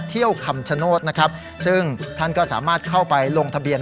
คำชโนธนะครับซึ่งท่านก็สามารถเข้าไปลงทะเบียน